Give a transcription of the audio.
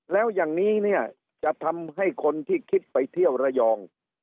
แล้วอย่างนี้เนี่ยจะทำให้คนที่คิดไปเที่ยวระยอง